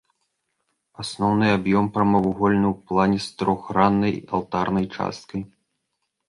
Асноўны аб'ём прамавугольны ў плане з трохграннай алтарнай часткай.